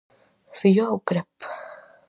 Filloa ou "crep"?